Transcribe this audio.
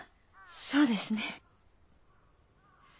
そうですね。